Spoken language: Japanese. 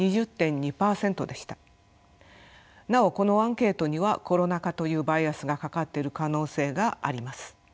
なおこのアンケートにはコロナ禍というバイアスがかかっている可能性があります。